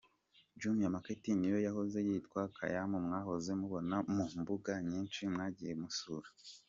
Jumia Market niyo yahoze yitwa Kaymu mwahoze mubona ku mbuga nyinshi mwagiye musura.